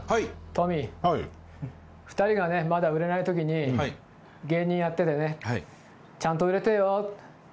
トミー２人がねまだ売れない時に芸人やっててね「ちゃんと売れてよ」。